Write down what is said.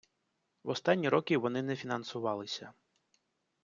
В останні роки вони не фінансувалися.